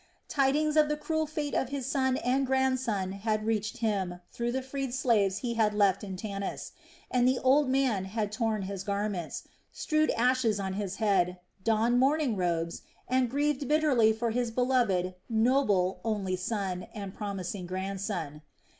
Tidings of the cruel fate of his son and grandson had reached him through the freed slaves he had left in Tanis; and the old man had torn his garments, strewed ashes on his head, donned mourning robes, and grieved bitterly for his beloved, noble, only son and promising grandson.